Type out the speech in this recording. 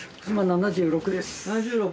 今７６です。